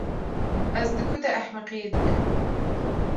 Ez di ku de ehmeqiyê dikim?